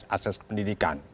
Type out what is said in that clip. akses ke pendidikan